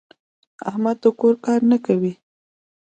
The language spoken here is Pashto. احمد د کور کار نه کوي.